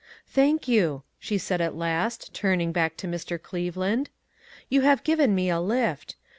" Thank you," she said, at last, turning back to Mr. Cleveland, "you have given me a lift.